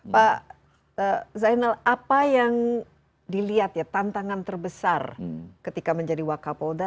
pak zainal apa yang dilihat ya tantangan terbesar ketika menjadi wakapolda